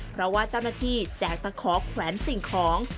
เพราะว่าเจ้าหน้าที่แจกตะขอแขวนสิ่งของ